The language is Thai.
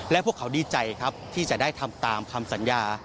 และพวกเขาดีใจครับที่จะได้ทำตามคำสัญญา